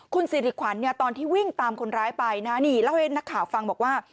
คุณสิริขวัญตอนที่วิ่งตามคนร้ายไปนะนี่เล่าให้นักข่าวฟังบอกว่า